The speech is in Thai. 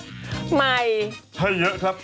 ให้เยอะครับ